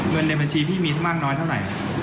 เงินในบัญชีพี่มีมากน้อยเท่าไหร่